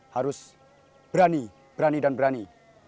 harus berani berani dan berani